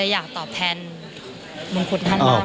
เลยอยากตอบแทนมงคุณท่านมากค่ะ